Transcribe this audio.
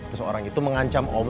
terus orang itu mengancam om